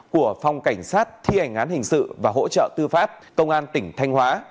của phòng cảnh sát thi hành án hình sự và hỗ trợ tư pháp công an tỉnh thanh hóa